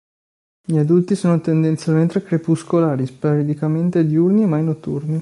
Gli adulti sono tendenzialmente crepuscolari, sporadicamente diurni e mai notturni.